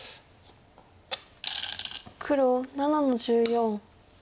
黒７の十四。